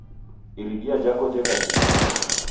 Iridia jako jeka jilue